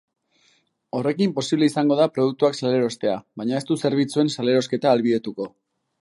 Horrekin posible izango da produktuak salerostea, baina ez du zerbitzuen salerosketa ahalbidetuko.